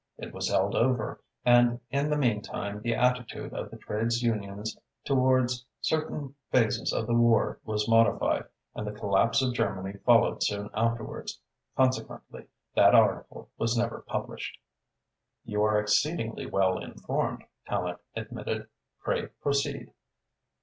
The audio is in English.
It was held over, and in the meantime the attitude of the trades unions towards certain phases of the war was modified, and the collapse of Germany followed soon afterwards. Consequently, that article was never published." "You are exceedingly well informed," Tallente admitted. "Pray proceed."